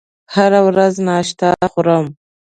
هره ورځ ناشته خورم